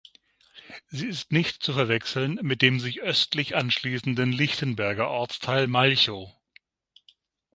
Sie ist nicht zu verwechseln mit dem sich östlich anschließenden Lichtenberger Ortsteil Malchow.